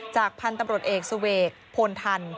พันธุ์ตำรวจเอกเสวกโพนทัน